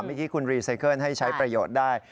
เมื่อกี้คุณรีไซเคิลให้ใช้ประโยชน์ได้